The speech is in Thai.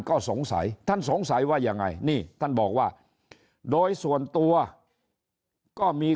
ก็สงสัยท่านสงสัยว่ายังไงนี่ท่านบอกว่าโดยส่วนตัวก็มี